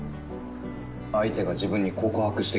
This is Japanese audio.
相手が自分に告白してくる。